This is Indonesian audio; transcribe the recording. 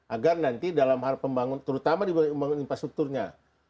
agar nanti dalam hal pembangunan terutama di pembangunan infrastrukturnya